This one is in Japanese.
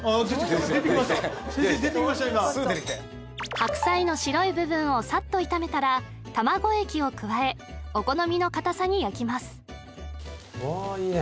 白菜の白い部分をサッと炒めたら卵液を加えお好みのかたさに焼きます・うわいいね